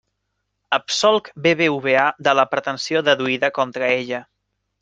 Absolc BBVA de la pretensió deduïda contra ella.